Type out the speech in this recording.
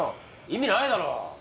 意味ないだろ！